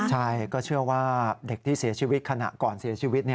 ใช่ก็เชื่อว่าเด็กที่เสียชีวิตขณะก่อนเสียชีวิต